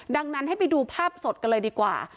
ดังนั้นให้ไปดูภาพสดกันเลยดีกว่า